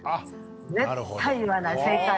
絶対言わない正解を。